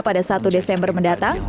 pada satu desember mendatang